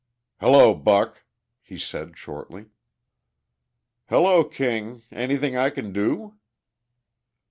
"Hello, Buck," he said shortly. "Hello, King. Anything I can do?"